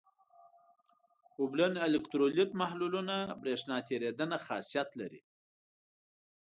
اوبلن الکترولیت محلولونه برېښنا تیریدنه خاصیت لري.